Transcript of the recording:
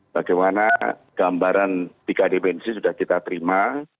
bagaimana gambaran tiga dimensi sudah kita terima